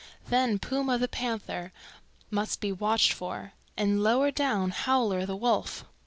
Then Puma the Panther must be watched for, and lower down Howler the Wolf.